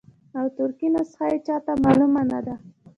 او ترکي نسخه یې چاته معلومه نه ده.